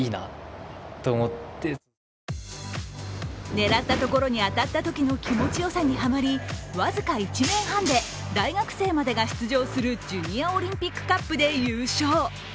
狙ったところに当たったときの気持ちよさにハマり、僅か１年半で大学生までが出場するジュニアオリンピックカップで優勝。